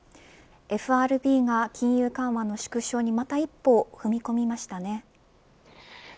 ＦＲＢが金融緩和の縮小にまた一歩、踏み込みましたね。